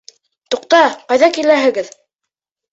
Туҡта, ҡайҙа киләһегеҙ?